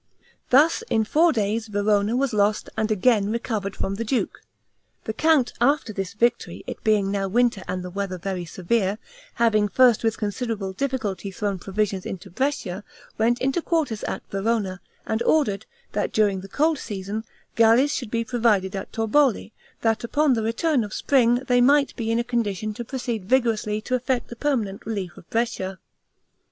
Thus in four days Verona was lost and again recovered from the duke. The count, after this victory, it being now winter and the weather very severe, having first with considerable difficulty thrown provisions into Brescia, went into quarters at Verona, and ordered, that during the cold season, galleys should be provided at Torboli, that upon the return of spring, they might be in a condition to proceed vigorously to effect the permanent relief of Brescia.